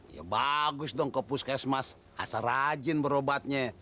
ya bagus dong ke puskesmas asal rajin berobatnya